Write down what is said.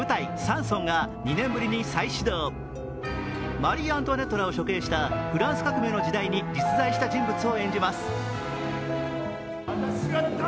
マリー・アントワネットらを処刑した、フランス革命の時代に実在した人物を演じます。